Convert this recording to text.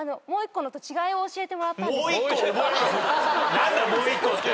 何だ「もう一個」って。